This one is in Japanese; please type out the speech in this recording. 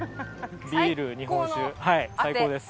ビール日本酒最高です。